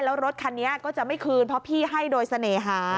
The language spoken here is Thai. แล้วรถคันนี้ก็จะไม่คืนเพราะพี่ให้โดยเสน่หา